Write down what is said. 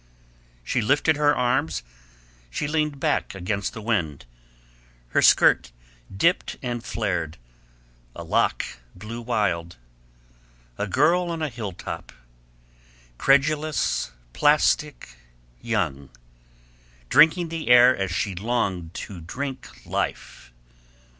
She lifted her arms, she leaned back against the wind, her skirt dipped and flared, a lock blew wild. A girl on a hilltop; credulous, plastic, young; drinking the air as she longed to drink life.